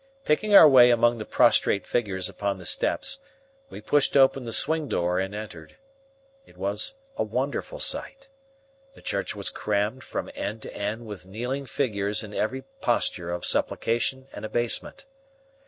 Picking our way among the prostrate figures upon the steps, we pushed open the swing door and entered. It was a wonderful sight. The church was crammed from end to end with kneeling figures in every posture of supplication and abasement.